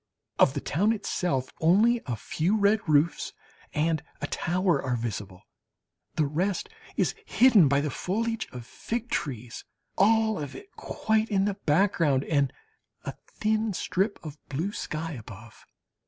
Of the town itself only a few red roofs and a tower are visible, the rest is hidden by the foliage of fig trees, all of it quite in the background, and a thin strip of blue sky above.